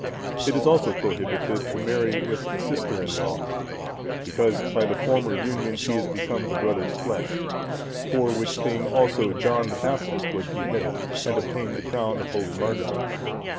It is also prohibited to marry with a sister in law, because by the former union she is become the brother's flesh. For which thing also John the Baptist was beheaded, and obtained the crown of holy martyrdom.